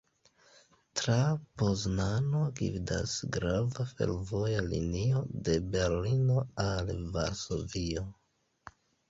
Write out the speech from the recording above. Tra Poznano gvidas grava fervoja linio de Berlino al Varsovio.